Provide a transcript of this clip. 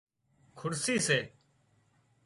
کُڙسي سي